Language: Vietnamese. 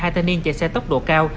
hai thanh niên chạy xe tốc độ cao